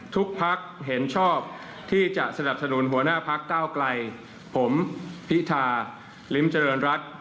ทุกภักดิ์เห็นชอบที่จะสนับสนุนหัวหน้าภักดิ์เต้าไกลผมพิธาลิมเจริญรักษ์